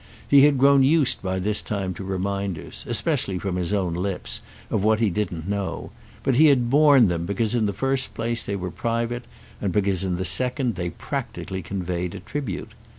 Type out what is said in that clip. He had grown used by this time to reminders, especially from his own lips, of what he didn't know; but he had borne them because in the first place they were private and because in the second they practically conveyed a tribute.